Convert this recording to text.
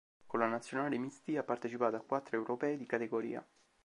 Con la nazionale misti ha partecipato a quattro Europei di categoria.